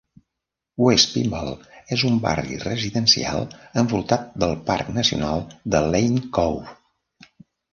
West Pymble és un barri residencial, envoltat del parc nacional de Lane Cove.